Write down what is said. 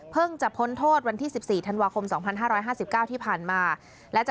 เพิ่งจะพ้นโทษวันที่๑๔ทันวาคม๒๕๕๙ที่ผ่านมา